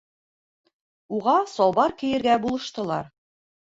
Уға салбар кейергә булыштылар.